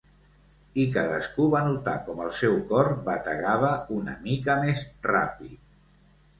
I cadascú va notar com el seu cor bategava una mica més ràpid.